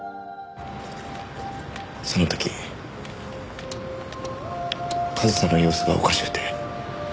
その時和沙の様子がおかしくて。